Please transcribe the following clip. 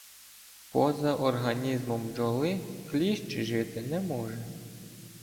Поза організмом бджоли кліщ жити не може.